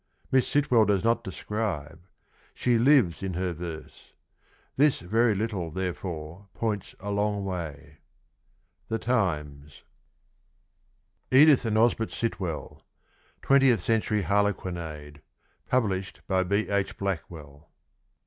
Miss Sitwell does not describe, she lives in her verse. This very little therefore points a long way. — The Times. 117 Edith and Osbert Sitwell. 20TH CENTURY HARLEQUINADE. Published by B. H. Blackwell.